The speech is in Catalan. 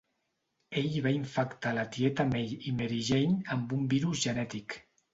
Ell va infectar la tieta May i Mary Jane amb un virus genètic.